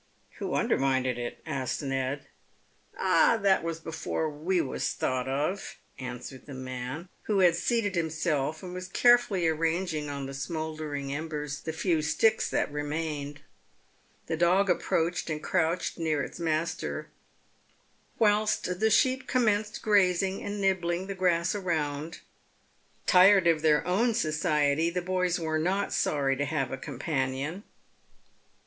" Who underminded it?" asked Ned. " Ah, that was before we was thought of," answered the man, who had seated himself, and was carefully arranging on the smouldering embers the few sticks that remained. The dog approached and crouched near its master, whilst the sheep commenced grazing and nibbling the grass around. Tired of their own society, the boys were not sorry to have a com panion.